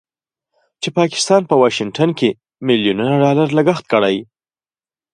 چې پاکستان په واشنګټن کې مليونونو ډالر لګښت کړی